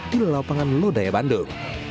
di lapangan lodaya bandung